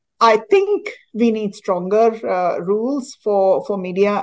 saya pikir kita butuh peraturan yang lebih kuat untuk media juga